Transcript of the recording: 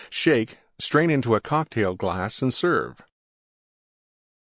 Shake; strain into Cocktail glass and serve.